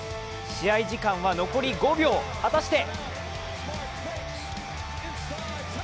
試合時間は残り５秒、果たして？